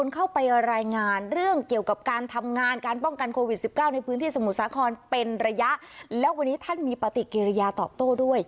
เข้าในพื้นที่สมุทรสาครเป็นระยะแล้ววันนี้ท่านมีปฏิกิริยาตอบโต้ด้วย